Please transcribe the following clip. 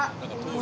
お！